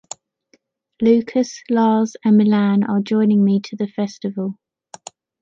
Lucas, Lars, and Milan are joining me to the festival.